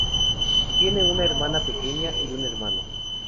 Tiene una hermana pequeña y un hermano.